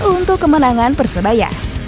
untuk kemenangan persebaya